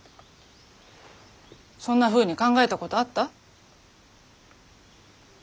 そんなふうに考えたことあった？